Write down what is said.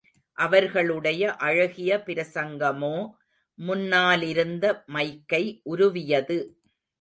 அவர்களுடைய அழகிய பிரசங்கமோ முன்னாலிருந்த மைக்கை உருவியது.